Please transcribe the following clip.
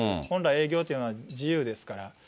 本来、営業というのは自由ですから。